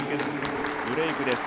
ブレークです。